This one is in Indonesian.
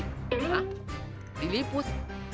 hah lili put